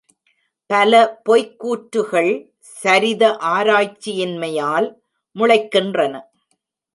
பல பொய்க் கூற்றுகள், சரித ஆராய்ச்சியின்மையால் முளைக்கின்றன.